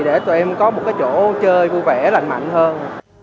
để tụi em có một cái chỗ chơi vui vẻ lành mạnh hơn